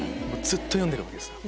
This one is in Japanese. ずっと読んでるわけですか。